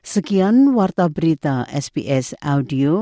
sekian warta berita sps audio